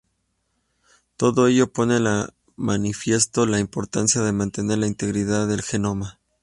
Todo ello pone de manifiesto la importancia de mantener la integridad del genoma.